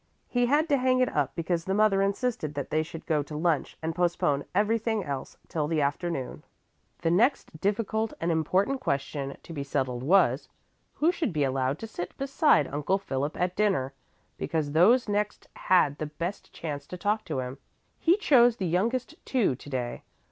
He had to hang it up because the mother insisted that they should go to lunch and postpone everything else till the afternoon. The next difficult and important question to be settled was, who should be allowed to sit beside Uncle Philip at dinner, because those next had the best chance to talk to him. He chose the youngest two to day.